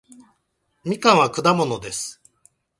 みかんは果物です